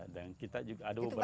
dan kita juga ada beberapa